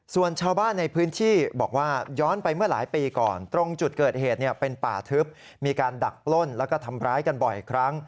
ส่วนชาวบ้านในพื้นที่บอกว่าย้อนไปเมื่อหลายปีก่อนตรงจุดเกิดเหตุเป็นป่าทึบมีการดักปล้นแล้วก็ทำร้ายกันบ่อยครั้ง